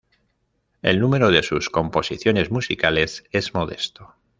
El número de sus composiciones musicales es modesto.